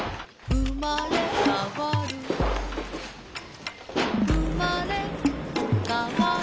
「うまれかわるうまれかわる」